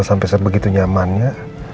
sampai sebegitu nyamannya